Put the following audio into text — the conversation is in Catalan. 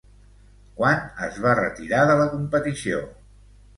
Quan es va retirar de la competició?